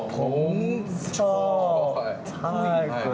ผมชอบผู้หญิงไทย